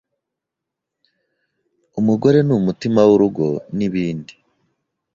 umugore ni umutima w’urugo n’ibindi.